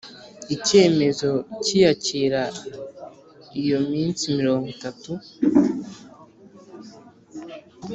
icyemezo cy iyakira Iyo iminsi mirongo itatu